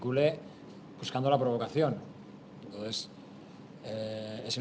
itu adalah penyakit yang tidak saya suka